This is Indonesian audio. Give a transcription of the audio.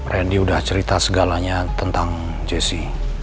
randy udah cerita segalanya tentang jesse